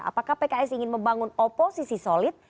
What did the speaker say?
apakah pks ingin membangun oposisi solid